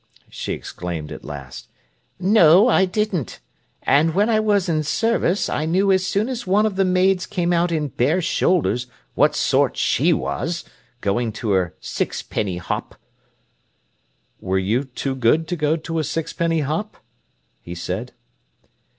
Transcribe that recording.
she exclaimed at last. "No, I didn't! And when I was in service, I knew as soon as one of the maids came out in bare shoulders what sort she was, going to her sixpenny hop!" "Were you too good to go to a sixpenny hop?" he said.